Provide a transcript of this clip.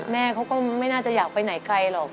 แม่เขาก็ไม่น่าจะอยากไปไหนไกลหรอก